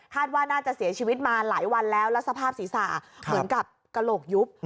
ว่าน่าจะเสียชีวิตมาหลายวันแล้วแล้วสภาพศีรษะเหมือนกับกระโหลกยุบ